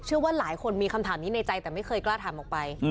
ว่าหลายคนมีคำถามนี้ในใจแต่ไม่เคยกล้าถามออกไป